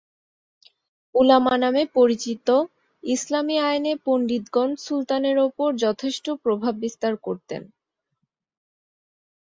উলামা নামে পরিচিত ইসলামী আইনে পন্ডিতগণ সুলতানের ওপর যথেষ্ট প্রভাব বিস্তার করতেন।